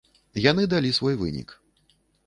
Яны далі свой вынік.